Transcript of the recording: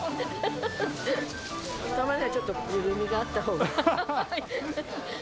たまにはちょっと、ゆるみがあったほうが。